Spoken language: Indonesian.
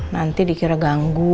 nanti dikira ganggu